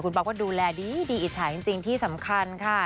คุณบอกว่าดูแลดีอิจฉันจริงที่สำคัญค่ะ